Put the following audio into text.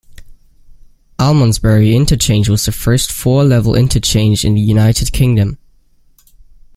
Almondsbury Interchange was the first four-level interchange in the United Kingdom.